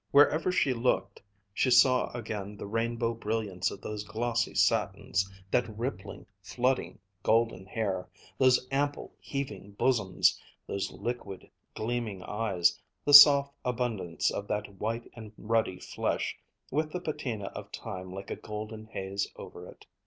Wherever she looked, she saw again the rainbow brilliance of those glossy satins, that rippling flooding golden hair, those ample, heaving bosoms, those liquid gleaming eyes, the soft abundance of that white and ruddy flesh, with the patina of time like a golden haze over it.